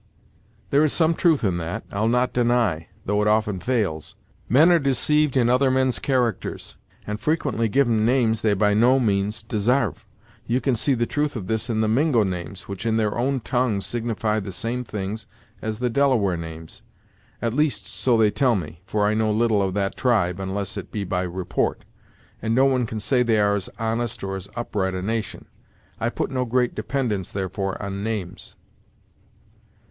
"There is some truth in that, I'll not deny, though it often fails. Men are deceived in other men's characters, and frequently give 'em names they by no means desarve. You can see the truth of this in the Mingo names, which, in their own tongue, signify the same things as the Delaware names, at least, so they tell me, for I know little of that tribe, unless it be by report, and no one can say they are as honest or as upright a nation. I put no great dependence, therefore, on names."